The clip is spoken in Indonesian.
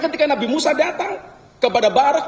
ketika nabi musa datang allaah tentang barakh